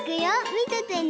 みててね。